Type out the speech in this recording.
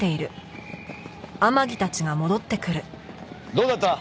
どうだった？